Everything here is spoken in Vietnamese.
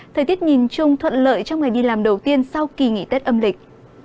thời tiết nhìn chung thuận lợi trong ngày đi làm đầu tiên sau kỳ nghỉ tết âm lịch